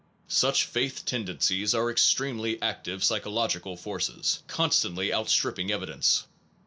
Such faith tendencies are extremely active psy chological forces, constantly outstripping evidence.